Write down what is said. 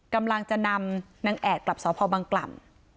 กำลังจะนำนางแอดกลับสพบังกล่ำ